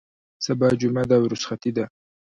سبا جمعه ده او رخصتي ده.